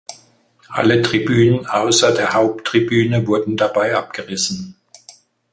Alle Tribünen ausser der Haupttribüne wurden dabei abgerissen.